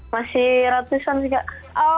masih ratusan sih gak